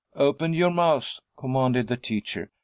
"Open your mouths," commanded the teacher.